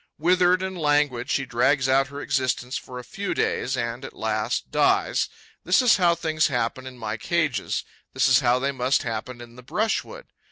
Withered and languid, she drags out her existence for a few days and, at last, dies. This is how things happen in my cages; this is how they must happen in the brushwood.